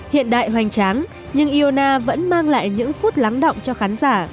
hiện đại hoành tráng nhưng iona vẫn mang lại những phút lắng động cho khán giả